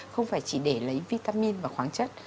không phải chỉ để lấy vitamin và khoáng chất